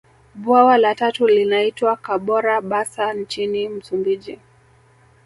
Bwawa la tatu linaitwa Kabora basa nchini Msumbiji